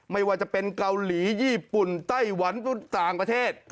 ไม่ว่าจะเป็นเกาหลีญี่ปุ่นไต้หวันต่างประเทศ